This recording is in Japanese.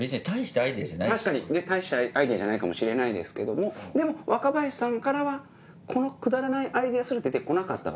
確かに大したアイデアじゃないかもしれないですけどもでも若林さんからはこのくだらないアイデアすら出て来なかったわけ。